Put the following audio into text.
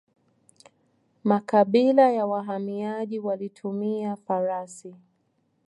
Makabila ya wahamiaji walitumia farasi.